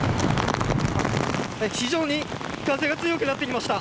非常に風が強くなってきました。